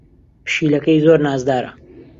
پشیلەکەی زۆر نازدارە.